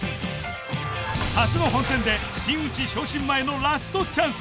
初の本選で真打ち昇進前のラストチャンス。